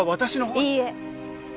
いいえ。